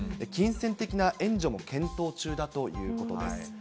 金銭的な援助も検討中だということです。